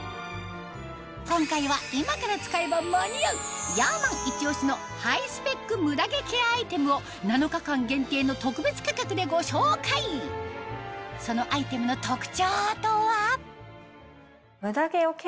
今回は今から使えば間に合うヤーマンいち押しのハイスペックムダ毛ケアアイテムをそのアイテムの特徴とは？